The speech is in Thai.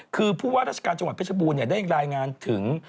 คือผู้ว่าราชการจังหวัดเพชรบูรณ์ได้รายงานถึง